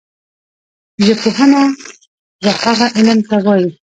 ژبپوهنه وهغه علم ته وايي